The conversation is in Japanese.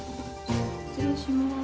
失礼します。